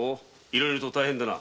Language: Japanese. いろいろと大変だな。